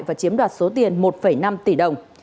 và chiếm đoạt số tiền một năm tỷ đồng